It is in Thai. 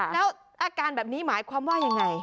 แล้วอาการแบบนี้หมายความว่ายังไง